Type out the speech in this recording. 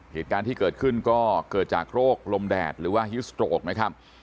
เหตุการณ์ที่เกิดขึ้นก็เกิดจากโรคลมแดดหรือว่าฮิวสโตรกนะครับ